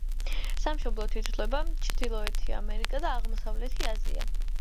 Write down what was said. სამშობლოდ ითვლება ჩრდილოეთი ამერიკა და აღმოსავლეთი აზია.